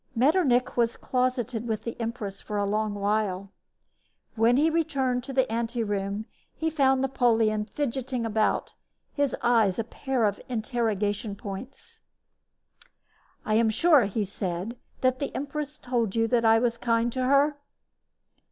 Metternich was closeted with the empress for a long while. When he returned to the ante room he found Napoleon fidgeting about, his eyes a pair of interrogation points. "I am sure," he said, "that the empress told you that I was kind to her?"